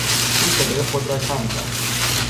او صدای خود را کم کرد.